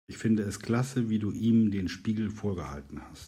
Ich fand es klasse, wie du ihm den Spiegel vorgehalten hast.